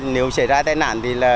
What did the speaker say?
nếu xảy ra tai nạn